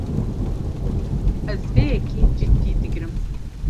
Ez vê yekê cidî digirim.